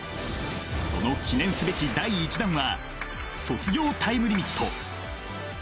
その記念すべき第１弾は「卒業タイムリミット」。